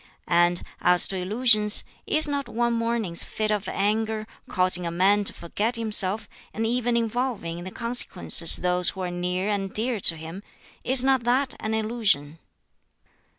And as to illusions, is not one morning's fit of anger, causing a man to forget himself, and even involving in the consequences those who are near and dear to him is not that an illusion?"